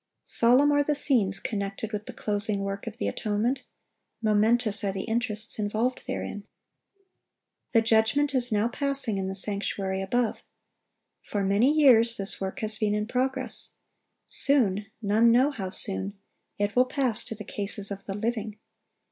Solemn are the scenes connected with the closing work of the atonement. Momentous are the interests involved therein. The judgment is now passing in the sanctuary above. For many years this work has been in progress. Soon—none know how soon—it will pass to the cases of the living.